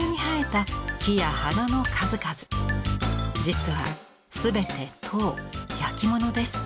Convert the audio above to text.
実は全て陶焼き物です。